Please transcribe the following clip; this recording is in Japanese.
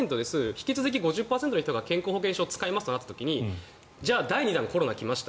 引き続き５０％が健康保険証を使いますとなった時第２弾、コロナが来ました